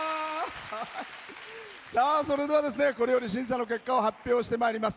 それでは、これより審査の結果を発表してまいります。